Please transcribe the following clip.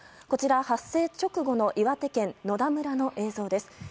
こちら、発生直後の岩手県野田村の映像です。